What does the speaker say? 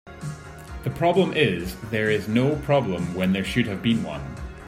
The problem is that there is no problem when there should have been one.